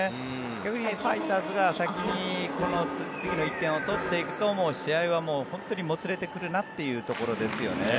逆にファイターズが先に次の１点を取っていくと試合は本当にもつれてくるなというところですよね。